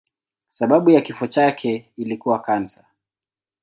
Sababu ya kifo chake ilikuwa kansa.